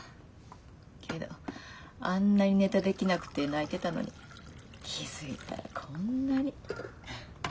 けどあんなにネタできなくて泣いてたのに気付いたらこんなに。